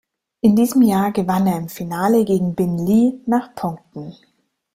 In diesem Jahr gewann er im Finale gegen Bin Li nach Punkten.